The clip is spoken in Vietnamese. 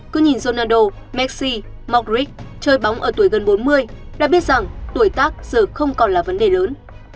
cứ nhìn ronaldo messi modric chơi bóng ở tuổi gần bốn mươi đã biết rằng tuổi tác giờ không còn là vấn đề lớn